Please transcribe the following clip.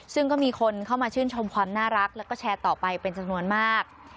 ซึ่งก็มีคนเข้ามาชื่นชมความน่ารักแล้วก็แชร์ต่อไปเป็นจำนวนมาก